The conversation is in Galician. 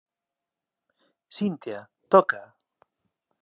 Síntea… tócaa.